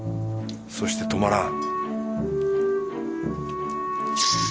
そして止まらん